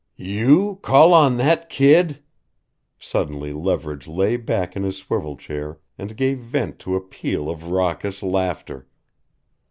"You call on that kid " Suddenly Leverage lay back in his swivel chair and gave vent to a peal of raucous laughter.